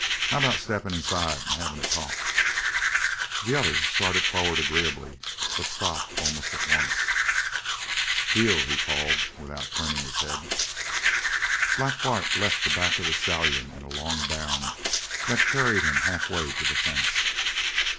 "How about steppin' inside and havin' a talk?" The other started forward agreeably, but stopped almost at once. "Heel!" he called, without turning his head. Black Bart left the back of the stallion in a long bound that carried him half way to the fence.